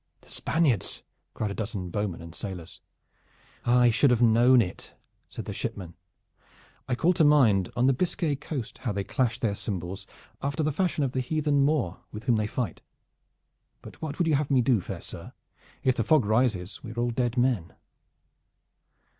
"The Spaniards!" cried a dozen bowmen and sailors. "I should have known it," said the shipman. "I call to mind on the Biscay Coast how they would clash their cymbals after the fashion of the heathen Moor with whom they fight; but what would you have me do, fair sir? If the fog rises we are all dead men."